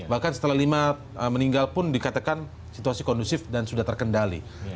bahkan setelah lima meninggal pun dikatakan situasi kondusif dan sudah terkendali